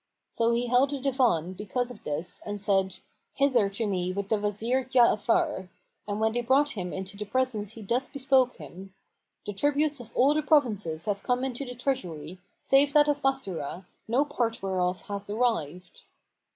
So he held a Divan because of this and said, "Hither to me with the Wazir Ja'afar;" and when they brought him into the presence he thus bespoke him, "The tributes of all the provinces have come into the treasury, save that of Bassorah, no part whereof hath arrived."